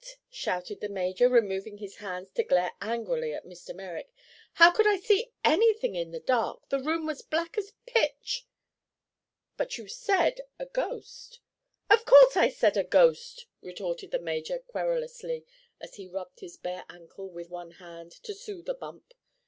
shouted the major, removing his hands to glare angrily at Mr. Merrick. "How could I see anything in the dark? The room was black as pitch." "But you said a ghost." "Of course I said a ghost," retorted the major, querulously, as he rubbed his bare ankle with one hand to soothe a bump.